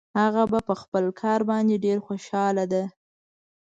هغه په خپل کار باندې ډېر خوشحاله ده